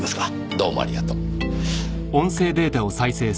どうもありがとう。